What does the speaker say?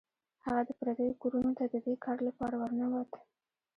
هغه د پردیو کورونو ته د دې کار لپاره ورنوت.